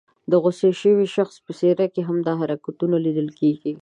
د غوسه شوي شخص په څېره کې هم دا حرکتونه لیدل کېږي.